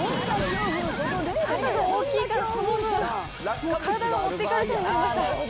傘が大きいからその分、体が持っていかれそうになりました。